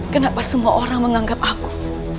kenapa semua orang menganggap aku